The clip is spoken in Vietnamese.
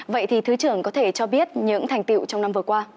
vậy thì thứ trưởng có thể cho biết những thành tiệu trong năm vừa qua